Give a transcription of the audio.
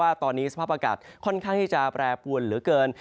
ว่าตอนนี้สภาพอากาศค่อนข้างที่จะแปรปวนเหลือเกิน